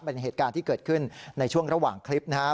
เป็นเหตุการณ์ที่เกิดขึ้นในช่วงระหว่างคลิปนะครับ